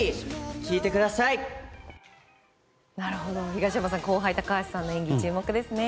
東山さん後輩、高橋さんの演技注目ですね。